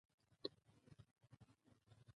واوره د افغانستان د صنعت لپاره مواد برابروي.